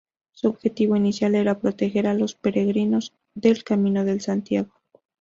Su objetivo inicial era proteger a los peregrinos del Camino de Santiago.